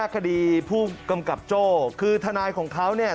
คดีผู้กำกับโจ้คือทนายของเขาเนี่ย